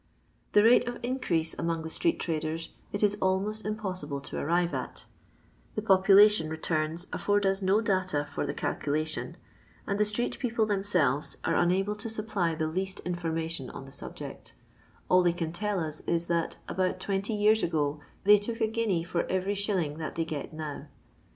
The rate of increase among the street traders it is almost impoasible to arrive at The population returns afford us no data for the calculation, and the street people themselves are unable to supply the least information on the subject ; all they can tell us is, that about 20 years ago they took a guinea for every shilling that they get now.